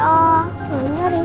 karena lena mau mimpi papaan